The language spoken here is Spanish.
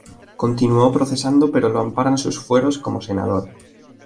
Continuó procesado pero lo amparan sus fueros como senador.